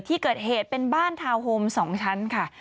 ที่เกิดเหตุเป็นบ้านทาวน์โฮม๒ชั้นค่ะ